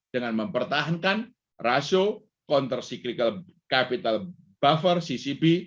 dengan mempertahankan rasio counter cyclical capital buffer ccb